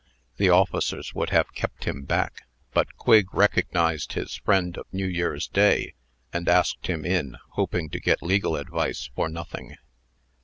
The officers would have kept him back; but Quigg recognized his friend of New Year's day, and asked him in, hoping to get legal advice for nothing.